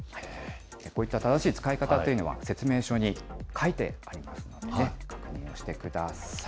こういった正しい使い方というのは、説明書に書いてありますのでね、確認をしてください。